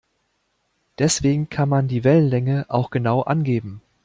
Deswegen kann man die Wellenlänge auch genau angeben.